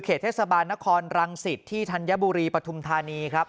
เทศบาลนครรังสิตที่ธัญบุรีปฐุมธานีครับ